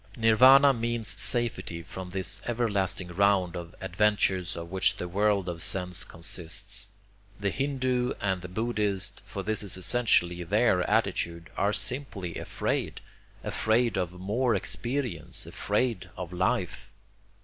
Nirvana means safety from this everlasting round of adventures of which the world of sense consists. The hindoo and the buddhist, for this is essentially their attitude, are simply afraid, afraid of more experience, afraid of life.